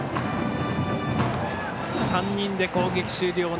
３人で攻撃終了。